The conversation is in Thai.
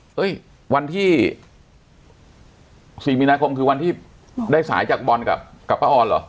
เฮ้ยวันที่๔มีนาคมคือวันที่ได้สายจากบอลกับป้าออนเหรอ